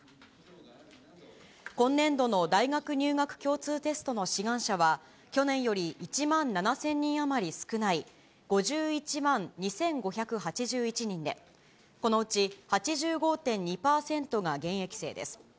今年度の大学入学共通テストの志願者は、去年より１万７０００人余り少ない、５１万２５８１人で、このうち８５．２％が現役生です。